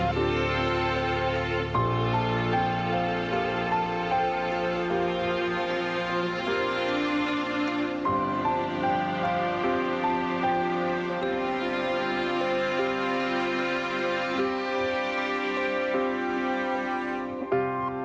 โปรดติดตามตอนต่อไป